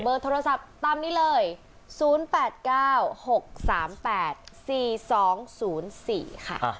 เบอร์โทรศัพท์ตามนี้เลยศูนย์แปดเก้าหกสามแปดสี่สองศูนย์สี่ค่ะ